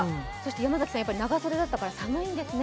山崎さん、長袖だったから寒いんですね。